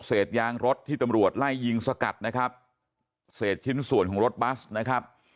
เสร็จยางรถที่ตำรวจไล่ยิงสกัดนะครับเศษชิ้นส่วนของรถบัสนะครับ